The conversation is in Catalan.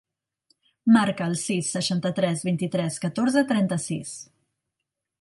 Marca el sis, seixanta-tres, vint-i-tres, catorze, trenta-sis.